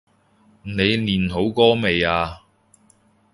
你練好歌未呀？